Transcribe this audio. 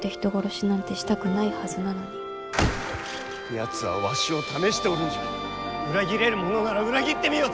やつはわしを試しておるんじゃ裏切れるものなら裏切ってみよと！